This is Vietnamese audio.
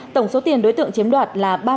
tổng số tiền đối tượng chiếm đoạt là